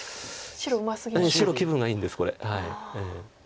白気分がいいんですこれ。